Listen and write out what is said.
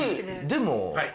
でも。